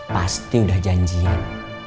pasti udah janjian